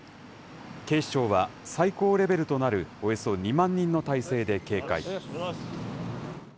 警視庁は、最高レベルとなるおよそ２万人の態勢で警戒。